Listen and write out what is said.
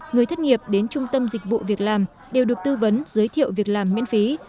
người thất nghiệp đến trung tâm dịch vụ việc làm đều được tư vấn giới thiệu việc làm miễn phí